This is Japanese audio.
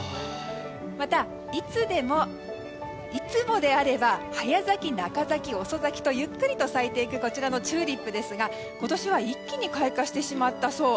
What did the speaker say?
また、いつもであれば早咲き、中咲き、遅咲きとゆっくりと咲くこちらのチューリップですが今年は一気に開花してしまったそう。